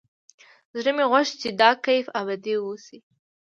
زړه مې غوښت چې دا کيف ابدي واوسي.